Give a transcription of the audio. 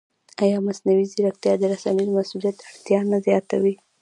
ایا مصنوعي ځیرکتیا د رسنیز مسوولیت اړتیا نه زیاتوي؟